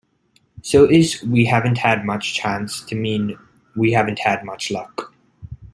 So is "we haven't had much chance" to mean "we haven't had much luck.